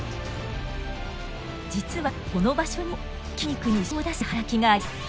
実はこの場所にも筋肉に指令を出す働きがあります。